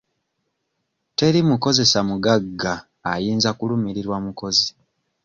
Teri mukozesa mugagga ayinza kulumirirwa mukozi.